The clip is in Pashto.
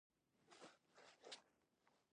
ښوونځي باید د پښتو زده کړې ته لومړیتوب ورکړي.